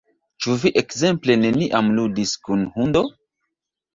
Ĉu vi ekzemple neniam ludis kun hundo?